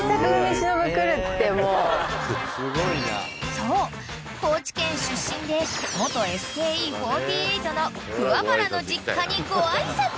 ［そう高知県出身で元ＳＫＥ４８の桑原の実家にご挨拶］